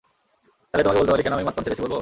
চাইলে তোমাকে বলতে পারি কেন আমি মদপান ছেড়েছি, বলব?